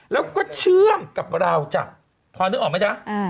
แล้วก็เชื่อมกับราวจักรพอนึกออกไหมจ๊ะ